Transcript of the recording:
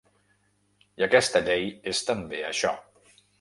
I aquesta llei és també això.